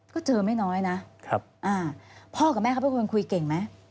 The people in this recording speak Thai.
ก็เจอไม่น้อยนะพ่อกับแม่เขาเป็นคนคุยเก่งไหม